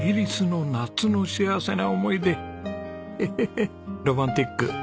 ヘヘヘッロマンチック。